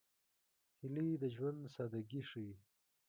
هیلۍ د ژوند سادګي ښيي